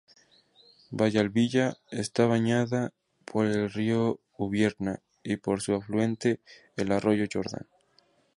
Villalbilla está bañada por el río Ubierna y por su afluente el "arroyo Jordán".